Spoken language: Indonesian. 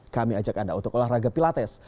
kami ajak anda untuk olahraga pilates